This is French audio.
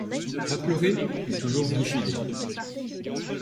Pas pleurer, mais toujours vigiler.